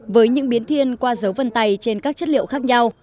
với những biến thiên qua dấu vân tay trên các chất liệu khác nhau